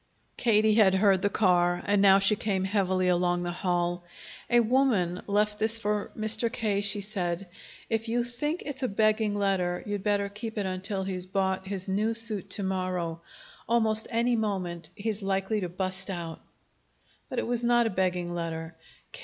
Katie had heard the car, and now she came heavily along the hall. "A woman left this for Mr. K.," she said. "If you think it's a begging letter, you'd better keep it until he's bought his new suit to morrow. Almost any moment he's likely to bust out." But it was not a begging letter.